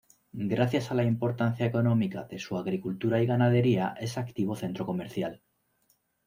Gracias a la importancia económica de su agricultura y ganadería es activo centro comercial.